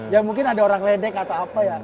ya mungkin ada orang ledek atau apa ya